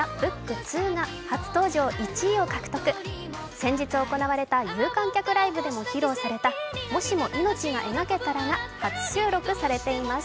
先日行われた有観客ライブでも披露された「もしも命が描けたら」が初収録されています。